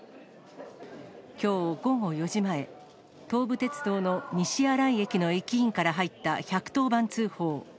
きょう午後４時前、東武鉄道の西新井駅の駅員から入った１１０番通報。